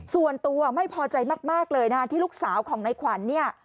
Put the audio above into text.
ส่วนตัวไม่พอใจมากเลยนะที่ลูกสาวของในขวัญเนี่ย